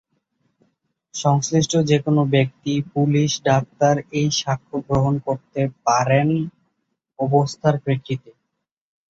সংশ্লিষ্ট যেকোনো ব্যক্তি, পুলিশ, ডাক্তার এই সাক্ষ্য গ্রহণ করতে পারেন অবস্থার প্রেক্ষিতে।